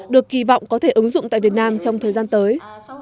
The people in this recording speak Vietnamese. được kỳ vọng có thể ứng dụng tại việt nam trong thời gian tới